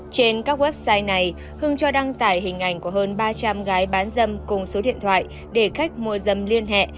trên các website này hưng cho đăng tải hình ảnh của hơn ba trăm linh gái bán dâm cùng số điện thoại để khách mua dâm liên hệ